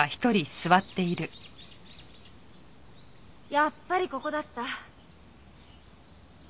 やっぱりここだった。